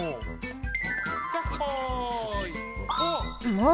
もう！